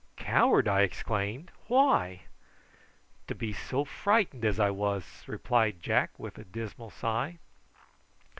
"Coward!" I exclaimed. "Why?" "To be so frightened as I was," replied Jack, with a dismal sigh.